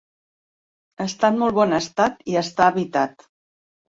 Està en molt bon estat i està habitat.